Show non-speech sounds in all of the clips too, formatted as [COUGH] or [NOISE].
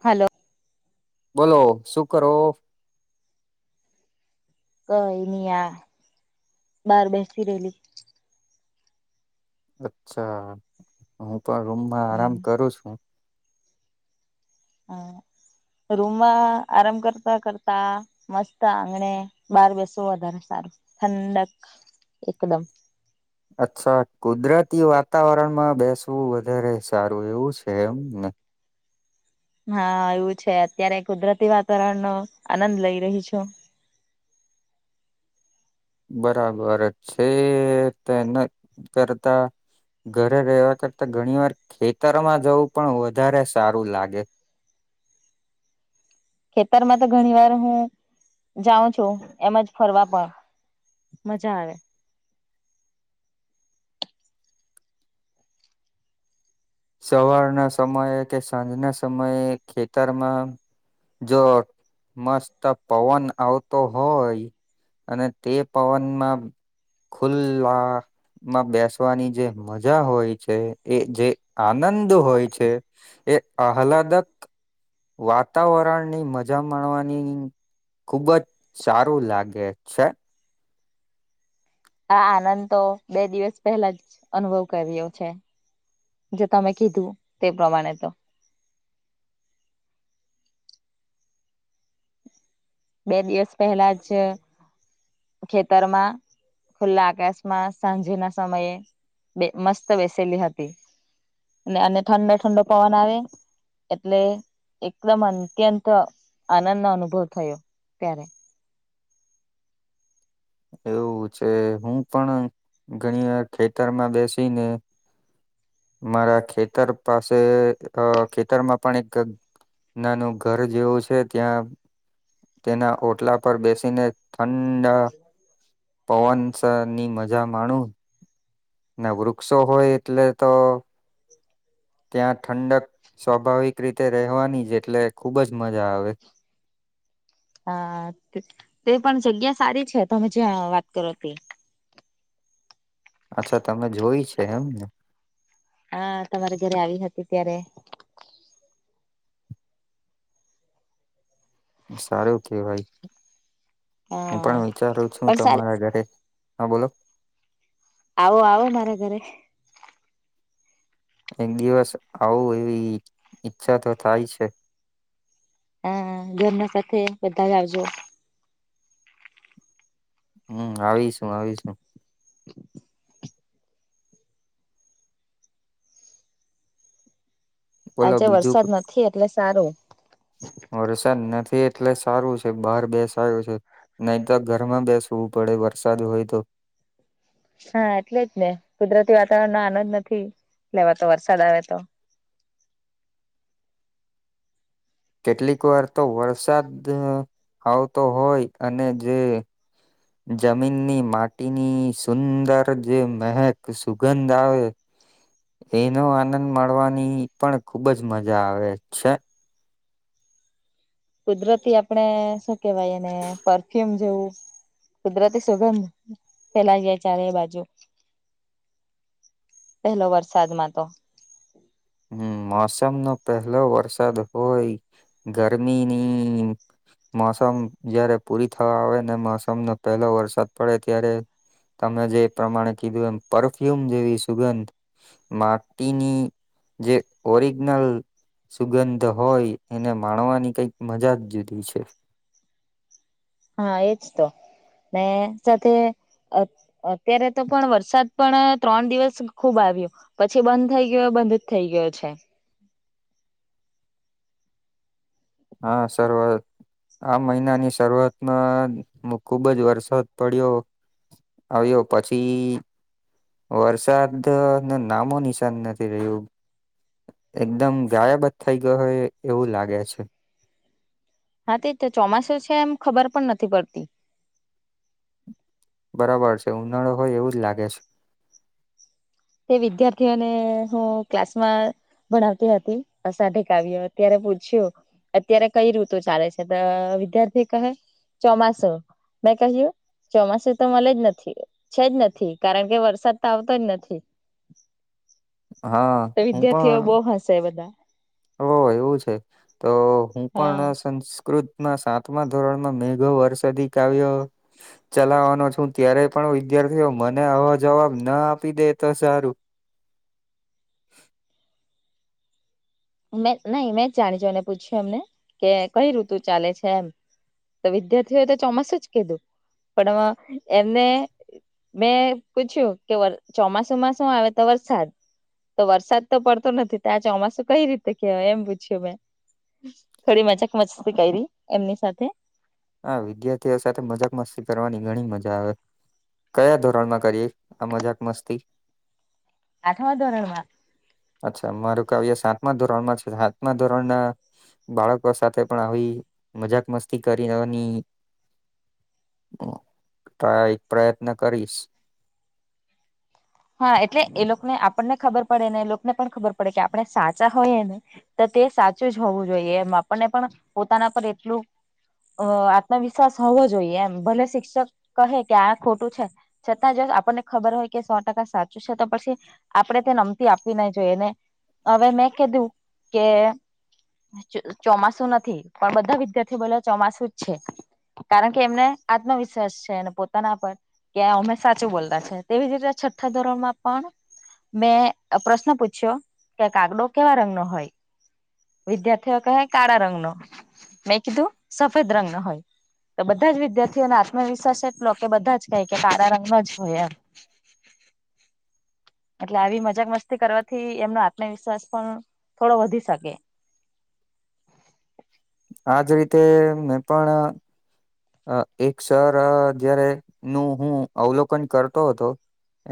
Hello. બોલો શું કરો. કઈ નહી આ બાર બેસીતી રહેેલી અચ્છા હું પણ રૂમમાં હમ આરામ કરું છું. હા રૂમમાં આરામ કરતા કરતા મસ્ત આંગણે બહાર બેસવું વધારે સારું ઠંડક એકદમ અચ્છા કુદરતી વાતાવરણમાં બેસવું વધારે સારું એવું છે એમ ને હા એવું છે. અત્યારે કુદરતી વાતાવરણનો આનંદ લઈ રહી છું. બરાબર છે તે કરતા ઘરે રહેવા કરતા ઘણી વાર ખેતરમાં જવું પણ વધારે સારું લાગે ખેતરમાં તો ઘણી વાર હું જાઉં છું એમજ ફરવા પણ મજા આવે. સવારના સમયે કે સાંજના સમયે ખેતરમાં જો મસ્ત પવન આવતો હોય. અને તે પવનમાં ખુલ્વા માં બેસવાની જે મજા હોય છે, એ જે આનંદ હોય છે એ આહલાદત વાતાવરણ ની મજા માણવાની ખુબ જ સારું લાગે છે. આ આનંદ તો બે દિવસ પહેલા જ અનુભવ કર્યો છે. જો તમે કીધું તે પ્રમાણે તો બે દિવસ પહેલા જ ખેતર માં ખુલ્લા આકાશમાં સાંજે ના સમયે મસ્ત બેસેલી હતી. અને અને ઠંડો ઠંડો પવન આવે એટલે એકદમ અત્યંત આનંદ નો અનુભવ થયો ત્યારે એવું છે હું પણ ઘણી વાર ખેતરમાં બેસી ને મારા ખેતર પાસે અ ખેતરમાં પણ એક નાનું ઘર જેવું છે, ત્યાં તેના ઓટલા પર બેસીને ઠંડા પવનસ ની મજા માણું ના વૃક્ષો હોય એટલે તો ત્યાં ઠંડક સ્વાભાવિક રીતે રહેવાની જ, એટલે ખુબ જ મજા આવે. હા તે તે પણ જગ્યા સારી છે તમે જ્યાં વાત કરો તે અચ્છા તમે જોય છે એમ ને હા તમારે જયારે આવી હતી ત્યારે સારું કેવાય હું હા પણ વિચારું છું પણ સારી તમારા ઘરે હા બોલો. આવો આવો મારા ઘરે. એક દિવસ આવું એવી ઈચ્છા તો થાય છે. હમ્મ ઘરના સાથે બધા આવજો. હમ્મ આવીશું આવીશું. બોલો આજે વરસાદ બીજું નથી એટલે સારું. વરસાદ નથી એટલે સારું છે બહાર બેસાય એવું છે. નહી તો ઘરમાં બેસવું પડે વરસાદ હોય તો. હા એટલે જ ને કુદરતી વાતાવરણ નો આનંદ નથી લેવાતો વરસાદ આવે તો કેટલીક વાર તો વરસાદ આવતો હોય અને જે જમીનની માટીની સુંદર જે મહેક સુગંધ આવે. હ. એનો આનંદ મળવાની પણ ખુબજ મજા આવે છે. કુદરતી આપડે શું કેવાય એને પરફ્યુમ જેવું કુદરતી સુગંધ ફેલાઈ જાય ચારે એ બાજુ પહલો વરસાદમાં તો. હમ્મ મોસમ નો પહેલો વરસાદ હોય ગરમીની. મોસમ જય્યારે પૂરી થવા આવે ને મોસમનો પહેલો વરસાદ પડે ત્યારે. તમે જે પ્રમાણે કીધું એમ પરફ્યુમ જેવી સુગંધ માટીની જે ઓરિજનલ સુગંધ હોય એને માણવાની કઈક મજાજ જુદી છે. હા એજતો ને સાથે અ અત્યારે તો પણ વરસાદ પણ ત્રણ દિવસ ખુબ આવ્યો. પછી બંધ થઇ ગયો બંધજ થઈ ગયો છે. હા સર્વ આ મહિનાની શરૂઆતમાં હ ખુબજ વરસાદ પડ્યો. આવ્યો પછી વરસાદ નુ નામો નિશાન નથી રહ્યું. એકદમ ગાયબ થઈ ગયો હોય એવું લાગે છે. હા તે ચોમાસું છે એમ ખબર પણ નથી પડતી. બરાબર છે ઉનાળો હોય એવુંજ લાગે છે. તે વિદ્યાર્થીઓને હું ક્લાસમાં ભણાવતી હતી અસાઢ કાવ્ય અત્યારે પૂછ્યું અત્યારે કઈ ઋતુ ચાલે છે તો વિદ્યાર્થી કહે ચોમાસું મેં કહ્યું ચોમાસું તો મળેજ નથી. છે જ નથી કારણ કે વરસાદ તો આવતોજ નથી. હા. તો હું વિદ્યાર્થીઓ પણ બહુ હશે બધા હો એવું છે તો હું હા પણ સંસ્કૃત ના સાતમા ધોરણમાં મેઘો વરસાદી કાવ્યો ચલાવવાનો છું ત્યારે પણ વિદ્યાર્થીઓ મને આવો જવાબ ના આપી દે તો સારું મેં નઈ મેં જ જાણી જોઈ અને પૂછ્યું એમને કે કઈ ઋતુ ચાલે છે એમ. તો વિદ્યાર્થીઓએ તો ચોમાસુંજ કીધું પણ એમને-' મેં પૂછ્યું કે ચોમાસુંમાં શું આવે તો વરસાદ. તો વરસાદ તો પડતો નથી ત્યાં ચોમાસું કઈ રીત તો કેવાય એમ પૂછ્યું મે થોડી મજાક મસ્તી કરી એમની સાથે હા વિદ્યાર્થીઓ સાથે મજાક મસ્તી કરવાની ઘણી મજા આવે. કયા ધોરણમાં કરીએ આ મજાક મસ્તી. આઠવા ધોરણમાં. અચ્છા મારું કાવ્ય સાતમા ધોરણમાં છે સાતમા ધોરણના. બાળકો સાથે પણ આવી મજાક મસ્તી કરીેવાની હ તો આ એક પ્રયત્ન કરીશ. હા એટલે એ લોકોને આપણને ખબર પડે ને એ લોકોને પણ ખબર પડે કે આપણે સાચા હોય ને. તો તે સાચું જ હોવું જોઈએ એમ આપણને પણ પોતાના પર એટલું-' અ આત્મવિશ્વાસ હોવો જોઈએ એમ ભલે શિક્ષક કહે કે આ ખોટું છે, છતાં જો આપણને ખબર હોય કે સો ટકા સાચું છે તો પછી આપણે તે નમતી આપવી ના જોઈએને હવે મેં કીધું કે ચોમાસુ નથી પણ બધા વિદ્યાર્થી બોલે ચોમાસું જ છે. કારણ કે એમને આત્મવિશ્વાસ છે અને પોતાના પર કે્યા અમે સાચું બોલતા છે તેવી જ રીતે છઠ્ઠા ધોરણ માં પણ મેં પ્રશ્ન પૂછ્યો કે કાગડો કેવા રંગ નો હોય વિદ્યાર્થીઓ કહે કાળા રંગ નો મેં કીધું સફેદ રંગ નો હોય તો બધા જ વિદ્યાર્થીઓને આત્મવિશ્વાસ એટલો કે બધા જ કઈ કે કાળા રંગ ન જ હોય એમ-' એટલે આવી મજાક મસ્તી કરવાથી એમનો આત્મવિશ્વાસ પણ થોડો વધી શકે. આજ રીતે મેને પણ અ એક સર જયારે નું હું અવલોકન કરતો હતો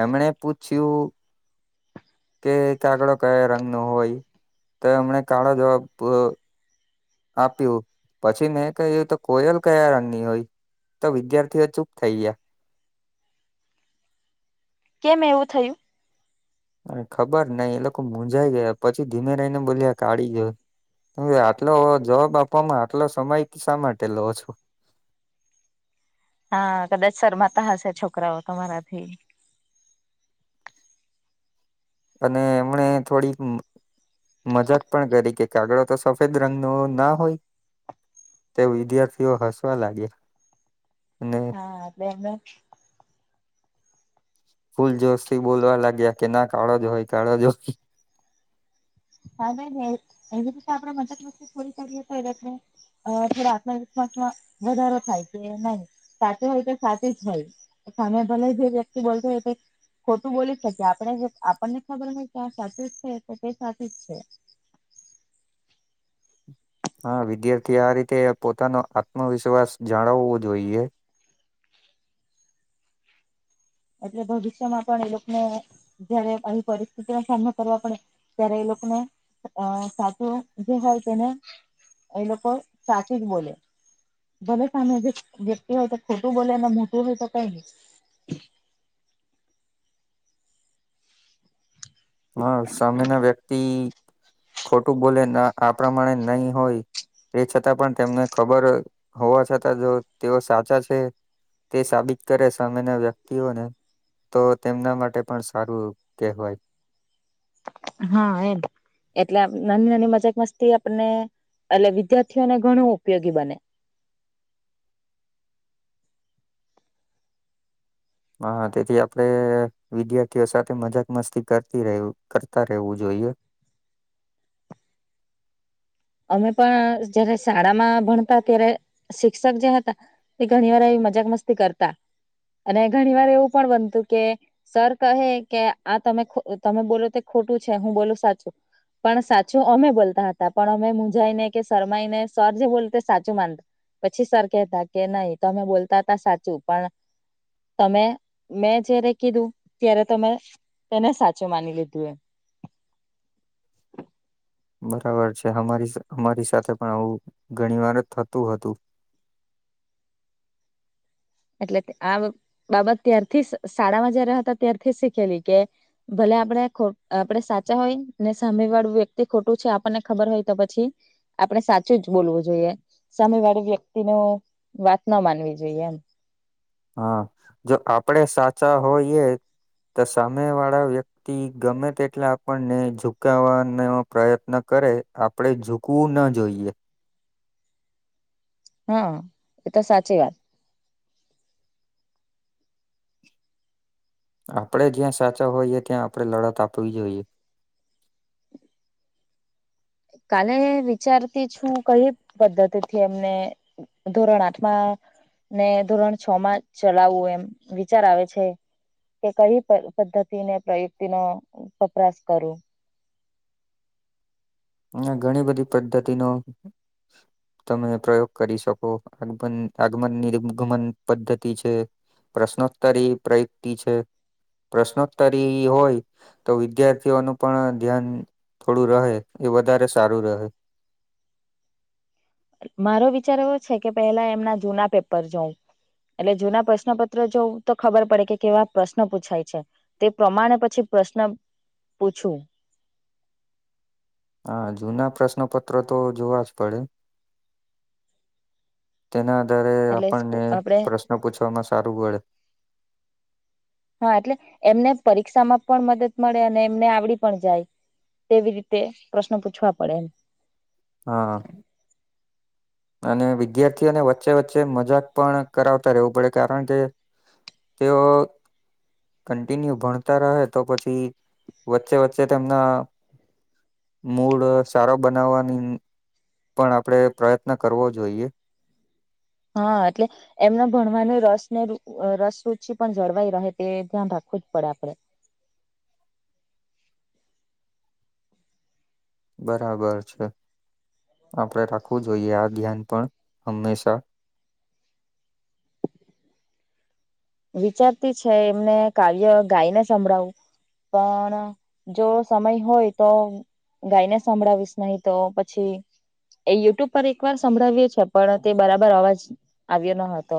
એમણે પૂછ્યું, કે કાગડો કયા રંગ નો હોય તો એમને કાળો જવાબ આપ્યું પછી મેં કહ્યું તો કોયલ કયા રંગની હોય? તો વિદ્યાર્થીઓ ચૂપ થઈ ગયા. કેમ એવું થયું? અરે ખબર નઈ એ લોકો મુંઝાઈ ગયા પછી ધીમે રહીને બોલ્યા કાઢી હોય. આટલો જવાબ આપવામાં આટલો સમય શા માટે લો છો. હા કદાચ શરમાતા હશે છોકરાઓ તમારાથી અને એમણે થોડી મજાક પણ કરી કે કાગડો તો સફેદ રંગ ન ના હોય? તે વિદ્યાર્થીઓ હસવા લાગ્યા હા અમ ફૂલ જોશથી બોલવા લાગ્યા કે ના કાળો જ હોય કાળો જ હોય. હા ભાઈ એ આપડે મદદ વસ્તુ પૂરી કરીએ તો એ અ થોડ આત્મવિશ્વાસમાં વધારો થાય કે નહી સાચો હોય તો સાચું જ હોય. સા્યા ભલ જે વ્યક્તિ બતો એ ખોટું બોલી શકીએ આપણે આપણને ખબર હોય કે આ સાચ જ છે તો તે સાચી જ છે. હા વિદ્યાર્થી આ રીતે પોતાનો આત્મવિશ્વાસ જાણવવો જોઈએ. એટલે ભવિષ્યમાં પણ એ લોકોને જયારે આવી પરિસ્થિતિનો સામનો કરવા પડે ત્યારે એ લોકોને અ સાચું જે હોય તેને એ લોકો સાચી જ બોલે ભોલે સામે જે વ્યક્તિ હોય તો ખોટું બોલે મોટું હોય તો કઈ ન હા સામે ના વ્યક્તિ ખોટું બોલે આ પ્રમાણે નહી હોય. તે છતાં પણ તેમને ખબર હોવા છતાં જો તેઓ સાચા છે. તે સાબિત કરે સામેના વ્યક્તિઓને. તો તેમના માટે પણ સારું કહેવાય. હા એ એટલે નાની નાની મજક મસ્તી આપને એટલે વિદ્યાર્થીઓને ઘણું ઉપયોગી બને. હા તેથી આપણે વિદ્યાર્થીઓ સાથે મજાક મસ્તી કરતી કરતા રહેવું જોઈએ. અમે પણ જયારે શાળા માં ભણતા ત્યારે શિક્ષક જે હતા એ ઘણી વાર મજાક મસ્તી કરતા અને ઘણી વાર એવું પણ બનતું કે સર કહે કે આ તમે તમે બોલો તે ખોટું છે હું બોલ સાચું પણ સાચું અમે બોલતા હતા. પણ અમે મુંજાાઈ ને કે શરમાઈ ને સર જે બોલ તે સાચું માનતા. પછી સર કેતા કે નહી તો અમે બોલતા હતા સાચું પણ તમે મેં જયારે કીધું ત્યારે તમે તેને સાચું માની લીધું એમ. બરાબર છે અમારી અમારી સાથે પણ આવું ઘણી વાર જ થતું હતું. એટલે આ બાબત ત્યારથી શાળામાં જયારે હતા ત્યારથી શીખેલી કે ભલે આપડે આપડે સાચા હોય ને સામે વાળું વ્યક્તિ ખોટું છે આપણને ખબર હોય તો પછી આપણે સાચું જ બોલવું જોઈએ સામે વાળી વ્યક્તિ ન વાત ના માનવી જોઈએ એમ. હા જો આપડે સાચા હોઈએ તો સામે વાળા વ્યક્તિ ગમે તેટલે આપણને ઝુકવાનો પ્રયત્ન કરે આપણેે ઝૂકવું ના જોઈએ. હા એ તો સાચી વાત. આપડે જ્યાં સાચા હોઈએ ત્યાં આપડે લડત આપવી જોઈએ. કાલે વિચારતી છું કઈ પદ્ધતિથી એમને ધોરણ આઠમાં ને ધોરણ છ માં ચલાવવું એમ વિચાર આવે છે. કે કઈ પદ્ધતિને પ્રયુક્તિ નો વપરાશ કરું. હ ઘણી બધી પદ્ધતિ નો [INAUDIBLE] તમે પ્રયોગ કરી શકો આગન આગમનનીગમન પદ્ધતિ છે. પ્રશ્નોત્તર એ પ્રયુક્તિ છે. પ્રશ્નોત્તરી હોય તો વિદ્યાર્થીઓનું પણ ધ્યાન થોડું રહે. એ વધારે સારું રહે. મારો વિચાર એવો છે કે પેલા એમના જૂના પેપર જોવ. એટલે જૂના પ્રશ્નપત્ર જોવું તો ખબર પડે કે કેવા પ્રશ્નો પૂછાય છે. તે પ્રમાણે પછી પ્રશ્ન પૂછું. હા જૂના પ્રશ્નપત્રો તો જોવા જ પડે. તેના આધારે એટલે સ્કૂ આપણને આપણે પ્રશ્ન પૂછવામાં સારું પડે. હા એટલે એમને પરીક્ષામાં પણ મદદ મળે અને એમને આવડી પણ જાય. તેવી રીતે પ્રશ્ન પૂછવા પડે. હા. અને વિદ્યાર્થીઓને વચ્ચે વચ્ચે મજાક પણ કરાવતા રહેવું પડે કારણ કે તેઓ કન્ટિન્યુ ભણતા રહે તો પછી વચ્ચે વચ્ચે તેમના મૂળ સારો બનાવવાની પણ આપણેે પ્રયત્ન કરવો જોઈએ. હા એટલે એમને ભણવાનું રસ ને રસ રુચિ પણ જળવાઈ રહે તે ધ્યાન રાખવું જ પડે આપડે. બરાબર છે આપડે રાખવું જોઈએ આ ધ્યાન પણ હંમેશા. વિચારતી છે એમને કાવ્ય ગાઈને સંભળાવું. પણ જો સમય હોય તો ગાય ને સાંભળાવીશ નહી તો પછી એ યુટ્યુબ પર એકવાર સંભળાવ્યો છે પણ તે બરાબર અવાજ આવ્યો ન હતો